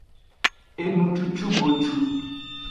Enucucugotu.